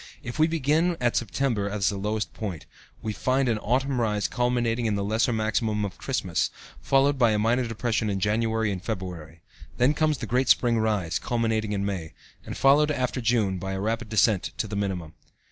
If we begin at September as the lowest point, we find an autumn rise culminating in the lesser maximum of Christmas, followed by a minor depression in January and February. Then comes the great spring rise, culminating in May, and followed after June by a rapid descent to the minimum.